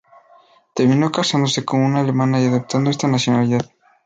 Terminó casándose con una alemana y adoptando esta nacionalidad.